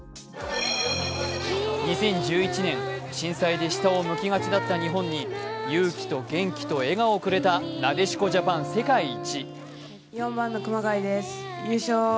２０１１年、震災で下を向きがちだった日本に勇気と元気と笑顔をくれたなでしこジャパン世界一。